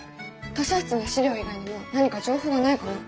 図書室の史料以外にも何か情報はないかな？